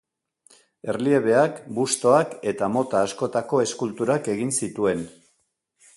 Erliebeak, bustoak eta mota askotako eskulturak egin zituen.